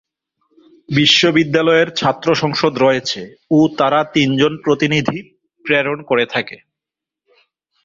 বিশ্ববিদ্যালয়ের ছাত্র সংসদ রয়েছে ও তারা তিনজন প্রতিনিধি প্রেরণ করে থাকে।